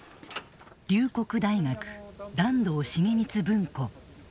龍谷大学團藤重光文庫。